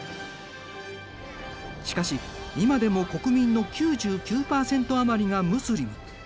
しかし今でも国民の９９％余りがムスリム。